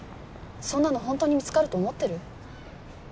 そんなのホントに見つかると思ってる？